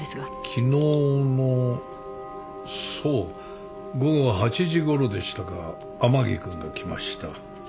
昨日のそう午後８時ごろでしたか甘木君が来ました。